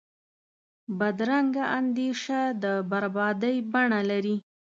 بدرنګه اندیشه د بربادۍ بڼه لري